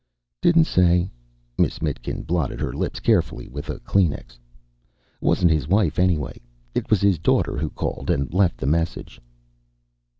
"Didn't say." Miss Mitkin blotted her lips carefully with a Kleenex. "Wasn't his wife, anyway. It was his daughter who called and left the message."